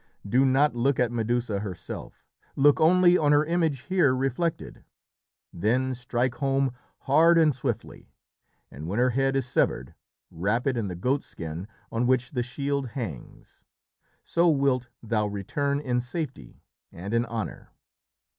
"Do not look at Medusa herself; look only on her image here reflected then strike home hard and swiftly. And when her head is severed, wrap it in the goatskin on which the shield hangs. So wilt thou return in safety and in honour."